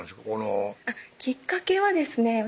このきっかけはですね